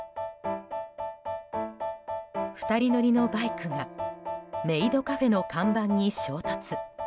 ２人乗りのバイクがメイドカフェの看板に衝突。